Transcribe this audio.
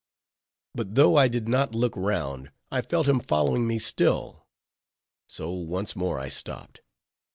But though I did not look round, I felt him following me still; so once more I stopped.